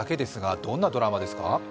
どんなドラマですか？